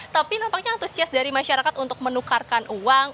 tapi nampaknya antusias dari masyarakat untuk menukarkan uang